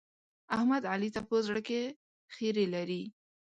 احمد؛ علي ته په زړه کې خيری لري.